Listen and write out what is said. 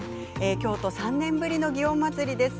京都３年ぶりの祇園祭です